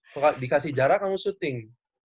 kalau di kasih jarak kamu syuting